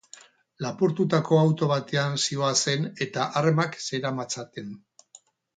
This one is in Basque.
Lapurtutako auto batean zihoazen eta armak zeramatzaten.